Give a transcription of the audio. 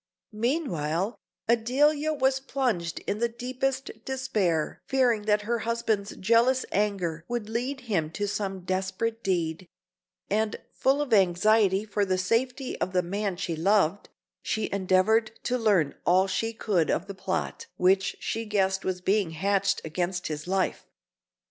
Meanwhile, Adelia was plunged in the deepest despair, fearing that her husband's jealous anger would lead him to some desperate deed; and full of anxiety for the safety of the man she loved, she endeavoured to learn all she could of the plot which she guessed was being hatched against his life.